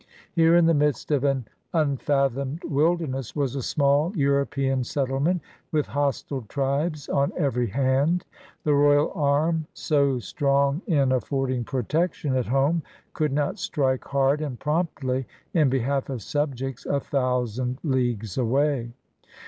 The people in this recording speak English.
Here in the midst of an unf athomed wilder ness was a small European settlement with hostile tribes on every hand. The royal arm, so strong in affording protection at home, could not strike hard and promptly in behalf of subjects a thou sand leagues away.